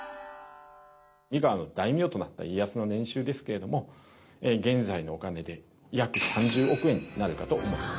三河の大名となった家康の年収ですけれども現在のお金で約３０億円になるかと思います。